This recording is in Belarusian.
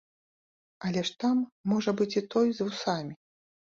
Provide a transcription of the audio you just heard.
Але ж там можа быць і той, з вусамі.